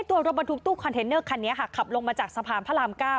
ตัวรถบรรทุกตู้คอนเทนเนอร์คันนี้ค่ะขับลงมาจากสะพานพระราม๙